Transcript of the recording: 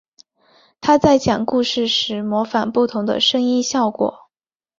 他在讲故事时模仿不同的声音效果。